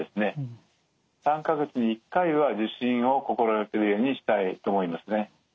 ３か月に１回は受診を心がけるようにしたいと思いますね。